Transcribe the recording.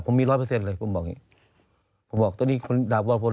ผมมีร้อยเปอร์เซ็นต์เลยผมบอกอย่างงี้ผมบอกตัวนี้คุณดาบวาพล